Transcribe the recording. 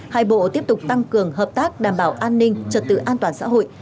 hai bộ tiếp tục tăng cường hợp tác đảm bảo an ninh trật tự an toàn xã hội